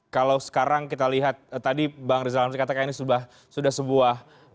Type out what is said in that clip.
kalau sekarang kita lihat tadi bang rizal amri katakan ini sudah sebuah